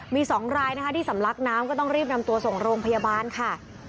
มี๒รายนะคะที่สำลักน้ำก็ต้องรีบนำตัวส่งโรงพยาบาลค่ะ